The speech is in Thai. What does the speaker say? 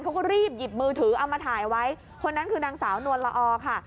เขาก็รีบหยิบมือถือเอามาถ่ายไว้คนนั้นคือนางสาวนวลละอค่ะ